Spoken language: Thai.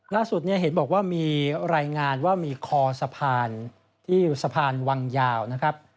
ล่าสุดเนี่ยเห็นบอกว่ามีรายงานว่ามีคอสะพานที่สะพานวังยาวนะครับ